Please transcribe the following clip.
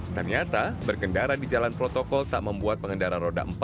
ternyata berkendara di jalan protokol tak membuat pengendara roda empat